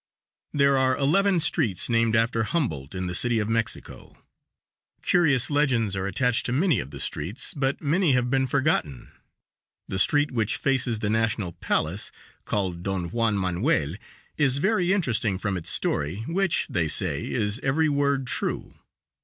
There are eleven streets named after Humboldt in the City of Mexico. Curious legends are attached to many of the streets, but many have been forgotten; the street which faces the National Palace, called Don Juan Manuel, is very interesting from its story, which, they say, is every word true.